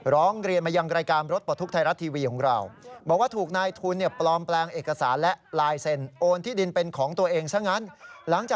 ร้องเรียนมายังรายการรถปลอดทุกข์ไทยรัฐทีวีของเรา